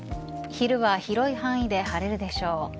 昼は広い範囲で晴れるでしょう。